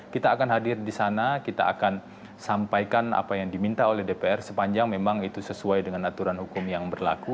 kita akan hadir di sana kita akan sampaikan apa yang diminta oleh dpr sepanjang memang itu sesuai dengan aturan hukum yang berlaku